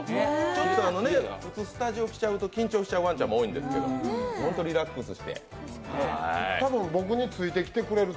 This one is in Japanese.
ちょっとスタジオきちゃうと緊張しちゃうワンちゃんも多いんですけど多分僕についてきてくれる。